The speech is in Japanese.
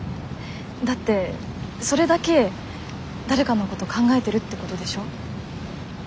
だってそれだけ誰かのことを考えてるってことでしょ？